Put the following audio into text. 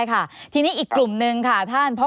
เราเป็นคณะพันธ์งานส่วนส่วนนะครับ